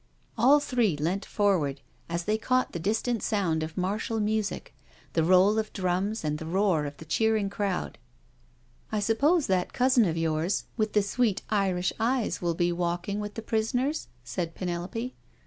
All three leant forward as they caught the distant sound of martial music, the roll of drums, and the roar of the cheering crowd. " I suppose that cousin of yours, with the sweet 3i8 NO SURRENDER Irish eyes, will be walking with the Prisoners?*' said Penelope.